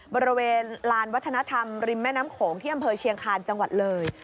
บริเวณลานวัฒนธรรมริมแม่น้ำโขงที่อำเภอเชียงคาญจังหวัดเลย